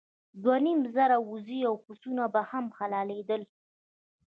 دوه نیم زره اوزې او پسونه به هم حلالېدل.